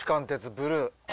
ブルー。